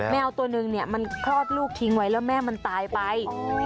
แมวตัวนึงเนี่ยมันคลอดลูกทิ้งไว้แล้วแม่มันตายไป